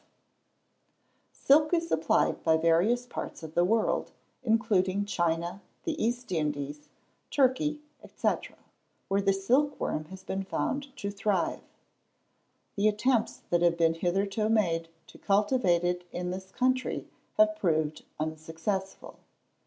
] Silk is supplied by various parts of the world, including China, the East Indies, Turkey, &c., where the silk worm has been found to thrive. The attempts that have been hitherto made to cultivate it in this country have proved unsuccessful.